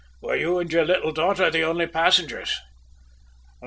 "Were you and your little daughter the only passengers?"